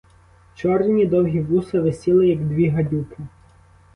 Чорні довгі вуса висіли, як дві гадюки.